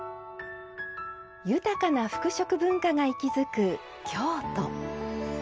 豊かな服飾文化が息づく京都。